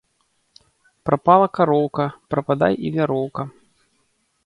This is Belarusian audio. Прапала кароўка, прападай і вяроўка